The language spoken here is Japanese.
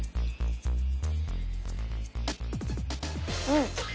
うん。